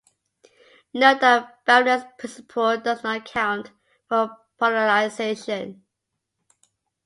Note that Babinet's principle does not account for polarization.